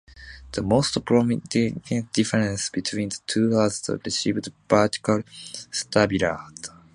The most prominent difference between the two was the revised vertical stabilizer.